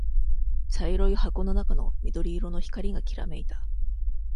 茶色い箱の中の緑色の光がきらめいた。